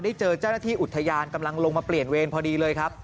เจอเจ้าหน้าที่อุทยานกำลังลงมาเปลี่ยนเวรพอดีเลยครับ